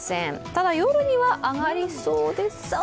ただ、夜には上がりそうですか？